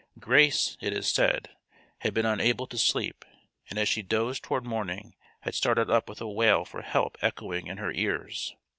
Grace, it is said, had been unable to sleep, and as she dozed toward morning had started up with a wail for help echoing in her ears.